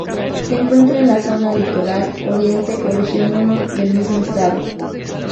Se encuentra en la Zona Litoral Oriente ó Región I del mismo estado.